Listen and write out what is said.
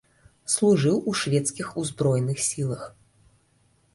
Служыў у шведскіх узброеных сілах.